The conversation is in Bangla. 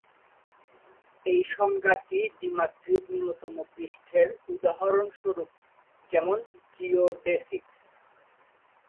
এই সংজ্ঞা টি দ্বিমাত্রিক নূন্যতম পৃষ্ঠের উদাহরণ স্বরূপ যেমন জিওডেসিক্স।